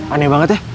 aneh banget ya